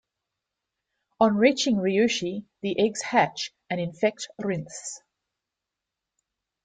On reaching Ryushi, the eggs hatch and infect Rhynths.